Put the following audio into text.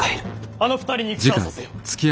あの２人に戦をさせよ。